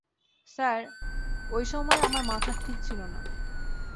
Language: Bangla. স্যার, ঐ সময় আমার মাথার ঠিক ছিল না।